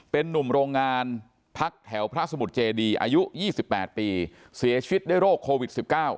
เป็นนุ่มโรงงานพักแถวพระสมุทรเจดีอายุ๒๘ปีเสียชีวิตด้วยโรคโควิด๑๙